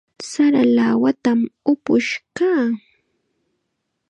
Sara lawatam upush kaa.